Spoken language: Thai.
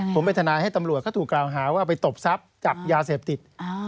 ผมเป็นทนายให้ตำรวจเขาถูกกล่าวหาว่าเอาไปตบทรัพย์จับยาเสพติด